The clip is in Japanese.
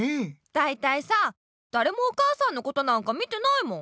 だいたいさだれもお母さんのことなんか見てないもん。